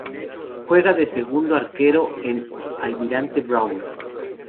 Juega de segundo Arquero en Almirante Brown.